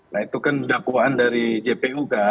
nah itu kan dakwaan dari jpu kan